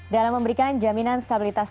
dalam memberikan jaminan stabilitas